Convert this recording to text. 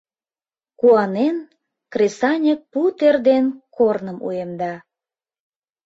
Куанен, кресаньык пу тер ден корным уэмда...»